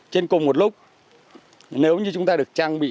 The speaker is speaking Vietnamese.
trên cùng một lúc nếu như chúng ta được trang bị